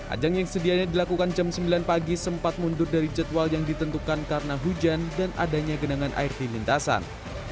ajang yang sedianya dilakukan jam sembilan pagi sempat mundur dari jadwal yang ditentukan karena hujan dan adanya genangan air di lintasan